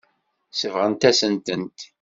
Sebɣent-asent-tent.